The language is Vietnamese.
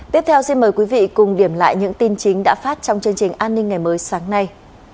tiếp theo xin mời quý vị cùng điểm lại những tin chính đã phát trong chương trình an ninh ngày mới sáng nay